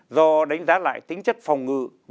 do đánh giá lại tính chất phòng ngự và chiến dịch